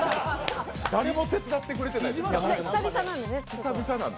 誰も手伝ってくれてないやん。